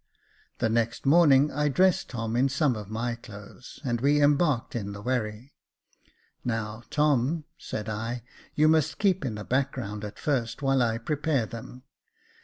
The next morning I dressed Tom in some of my clothes, and we embarked in the wherry. " Now, Tom," said I, " you must keep in the back ground at first, while I prepare them.